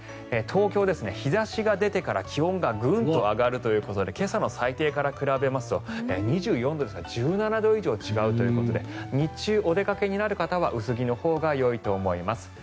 東京、日差しが出てから気温がグンと上がるということで今朝の最低から比べますと２４度ですから１７度以上違うということで日中お出かけになる方は薄着のほうがよいと思います。